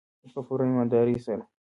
په پوره ایمانداري سره.